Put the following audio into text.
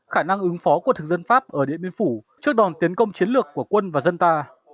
khả năng ứng phó của thực dân pháp ở điện biên phủ trước đòn tiến công chiến lược của quân và dân ta